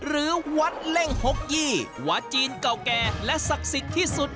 หรือวัดเล่งหกยี่วัดจีนเก่าแก่และศักดิ์สิทธิ์ที่สุด